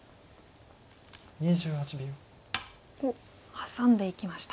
ハサんでいきました。